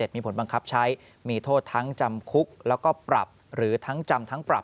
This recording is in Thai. มีผลบังคับใช้มีโทษทั้งจำคุกแล้วก็ปรับหรือทั้งจำทั้งปรับ